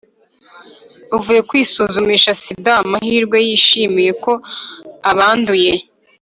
avuye kwisuzumisha sida mahirwe yishimiye ko atanduye